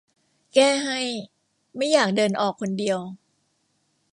แก้ให้ ไม่อยากเดินออกคนเดียว